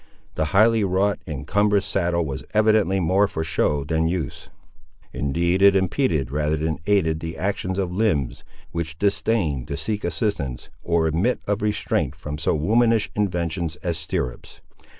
The highly wrought and cumbrous saddle was evidently more for show than use. Indeed it impeded rather than aided the action of limbs, which disdained to seek assistance, or admit of restraint from so womanish inventions as stirrups.